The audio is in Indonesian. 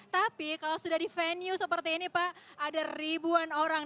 tapi kalau sudah di venue seperti ini pak ada ribuan orang